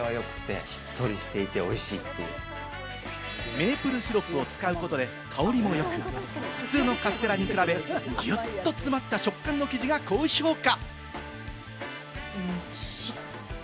メープルシロップを使うことで香りもよく、普通のカステラに比べ、ギュッと詰まった食感の生地が高評価。